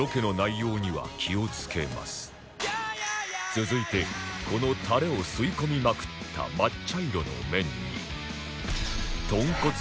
今後は続いてこのたれを吸い込みまくった真っ茶色の麺に